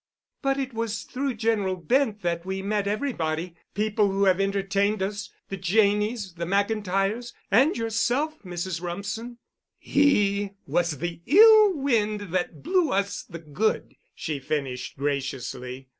"But it was through General Bent that we met everybody—people who have entertained us—the Janneys, the McIntyres, and yourself, Mrs. Rumsen." "He was the ill wind that blew us the good," she finished graciously.